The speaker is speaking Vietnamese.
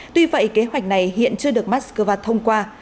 tuy vậy kế hoạch này hiện chưa được moscow thông qua